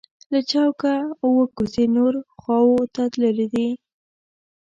له چوکه اووه کوڅې نورو خواو ته تللي دي.